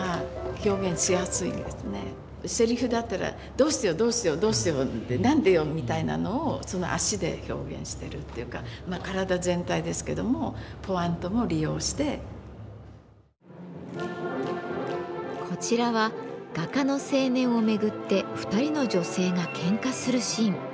セリフだったら「どうしてよどうしてよどうしてよ何でよ」みたいなのを足で表現してるこちらは画家の青年を巡って２人の女性がけんかするシーン。